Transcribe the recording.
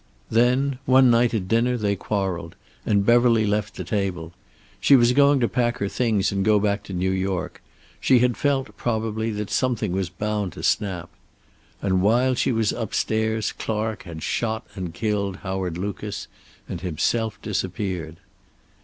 Then, one night at dinner, they quarreled, and Beverly left the table. She was going to pack her things and go back to New York. She had felt, probably, that something was bound to snap. And while she was upstairs Clark had shot and killed Howard Lucas, and himself disappeared.